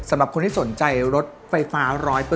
สำหรับคนที่สนใจรถไฟฟ้า๑๐๐